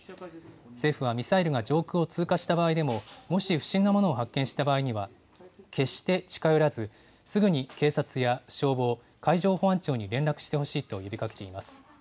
政府はミサイルが上空を通過した場合でも、もし不審なものを発見した場合には、決して近寄らず、すぐに警察や消防、海上保安庁に連絡してほしいと呼びかけています。